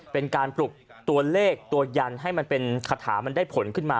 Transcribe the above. เป็นการปลุกตัวเลขตัวยันให้มันเป็นคาถามันได้ผลขึ้นมา